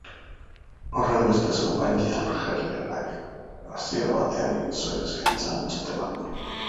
Horrenbestez, konpainia aljeriarrak hasiera batean egin zuen eskaintza ontzat eman du.